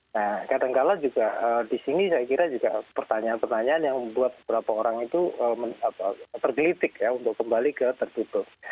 nah kadangkala juga di sini saya kira juga pertanyaan pertanyaan yang membuat beberapa orang itu tergelitik ya untuk kembali ke tertutup